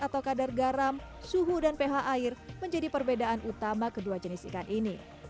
atau kadar garam suhu dan ph air menjadi perbedaan utama kedua jenis ikan ini